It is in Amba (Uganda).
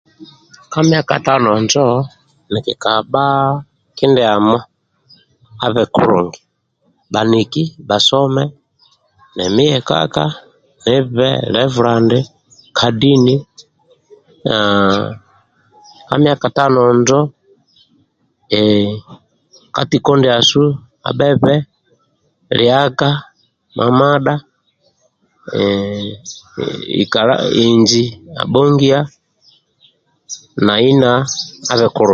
Ka myaka tano injo nkikabha kindiamo abhe kulungi bhaniki basome nemi yekaka nibhe levulandi ka dini ka myaka tano injo ka tiko ndiasu abhebe liaga mamadha ikala inji abhongia abhongiya na ina abhe kulungi